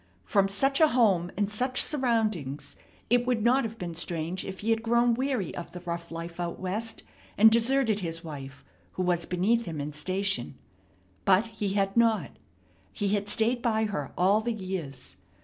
From such a home and such surroundings it would not have been strange if he had grown weary of the rough life out West, and deserted his wife, who was beneath him in station. But he had not. He had stayed by her all the years.